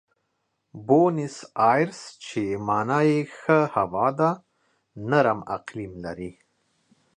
بونیس ایرس چې مانا یې ښه هوا ده، نرم اقلیم لري.